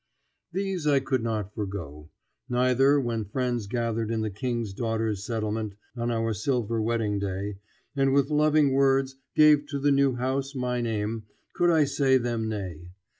These I could not forego. Neither, when friends gathered in the King's Daughters' Settlement on our silver wedding day, and with loving words gave to the new house my name, could I say them nay.